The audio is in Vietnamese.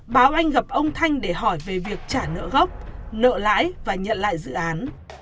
báo anh gặp ông thanh để hỏi về việc trả nợ gốc nợ lãi và nhận lại dự án